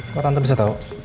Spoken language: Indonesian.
kok tante bisa tau